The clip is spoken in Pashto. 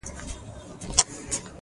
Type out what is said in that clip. بله راکړئ